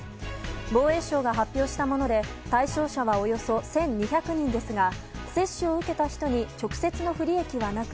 防衛省が発表したもので対象者はおよそ１２００人ですが接種を受けた人に直接の不利益はなく